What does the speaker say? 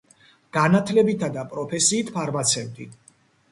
განათლებითა და პროფესიით ფარმაცევტი.